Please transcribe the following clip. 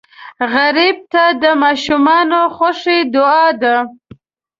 غریب ته د ماشومانو خوښي دعا ده